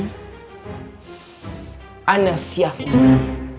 saya siap umi